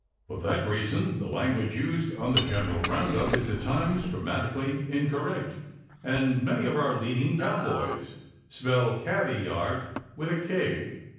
For that reason the language used on the general roundup is at times grammatically incorrect, and many of our leading cowboys spell "cavvy yard" with a "k."